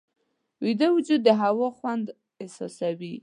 ویده وجود د هوا خوند احساسوي